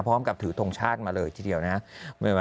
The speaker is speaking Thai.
พร้อมกับถือทงชาติมาเลยทีเดียวนะครับ